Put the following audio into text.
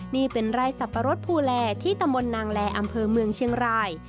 นี่เป็นไร่สับปะรดภูแลที่ตำบลนางแลอำเภอเมืองเชียงราย